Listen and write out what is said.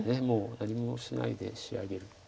もう何もしないで仕上げる。